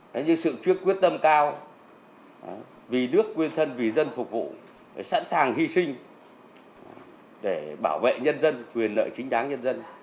đấy như sự quyết tâm cao vì nước quyên thân vì dân phục vụ sẵn sàng hy sinh để bảo vệ nhân dân quyền lợi chính đáng nhân dân